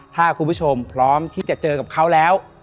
ถ้าคุณผู้ชมพร้อมที่จะเจอกับเขาแล้ว